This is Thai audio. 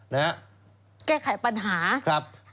แก้ไขปัญหาครับ